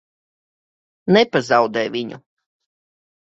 Nepazaudē viņu!